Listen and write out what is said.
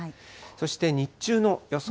そして日中の予想